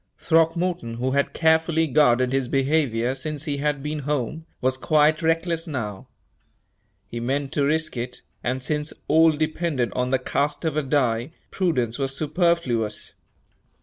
Throckmorton, who had carefully guarded his behavior since he had been home, was quite reckless now. He meant to risk it, and since all depended on the cast of a die, prudence was superfluous.